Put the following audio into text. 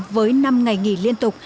với năm ngày nghỉ liên tục